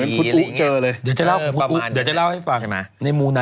เหมือนฮุตุเจอเลยเดี๋ยวจะเล่าให้ฟังในมูไน